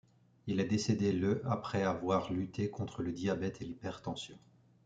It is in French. Il est décédé le après avoir lutté contre le diabète et l'hypertension.